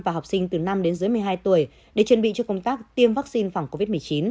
và học sinh từ năm đến dưới một mươi hai tuổi để chuẩn bị cho công tác tiêm vaccine phòng covid một mươi chín